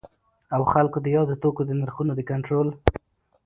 او خلګو د یادو توکو د نرخونو د کنټرول